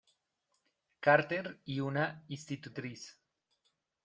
Carter y una institutriz.